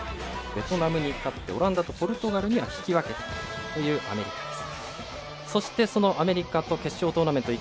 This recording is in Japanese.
ベトナムに勝ってオランダとポルトガルには引き分けというアメリカです。